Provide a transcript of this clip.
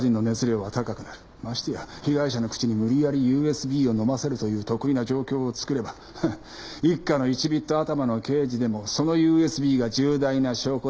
ましてや被害者の口に無理やりＵＳＢをのませるという特異な状況をつくればフッ一課の１ビット頭の刑事でもそのＵＳＢが重大な証拠だと決めてかかる。